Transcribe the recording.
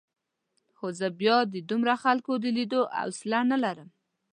خو زه بیا د دومره خلکو د لیدو حوصله نه لرم.